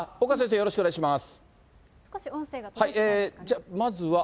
よろしくお願いします。